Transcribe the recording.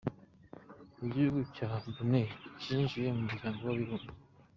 Igihugu cya Brunei cyinjiye mu muryango w’abibumbye.